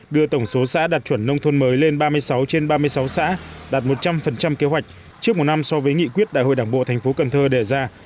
đưa tổng số xã đạt chuẩn nông thôn mới lên ba mươi sáu trên ba mươi sáu xã đạt một trăm linh kế hoạch trước một năm so với nghị quyết đại hội đảng bộ thành phố cần thơ đề ra